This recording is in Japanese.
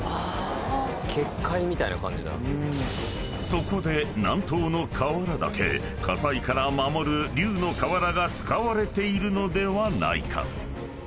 ［そこで南東の瓦だけ火災から守る龍の瓦が使われているのではないか］